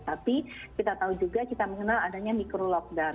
tapi kita tahu juga kita mengenal adanya mikro lockdown